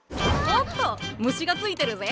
おっと虫がついてるぜ！